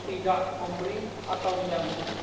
akan memberi sesuatu